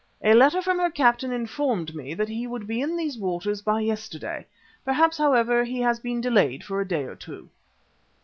A letter from her captain informed me that he would be in these waters by yesterday. Perhaps, however, he has been delayed for a day or two."